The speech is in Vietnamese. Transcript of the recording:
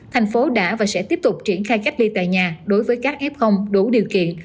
thành phố đã và sẽ tiếp tục triển khai cách ly tại nhà đối với các f đủ điều kiện